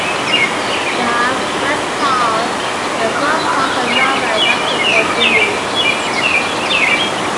They have webbed paws and their front paws are not well adapted for digging.